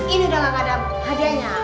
ini udah gak kadang hadiahnya